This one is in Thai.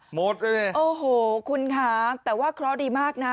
หมดเลยเนี่ยโอ้โหคุณค่ะแต่ว่าเค้าดีมากนะ